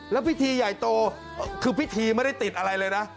แล้วพิธีใหญ่โตคือพิธีไม่ได้ติดอะไรเลยนะ